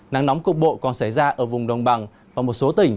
nắng nóng cục bộ còn xảy ra ở vùng đồng bằng và một số tỉnh